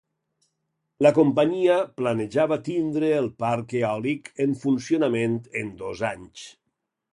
La companyia planejava tindre el parc eòlic en funcionament en dos anys.